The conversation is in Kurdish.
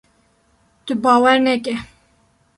Tu bawer neke!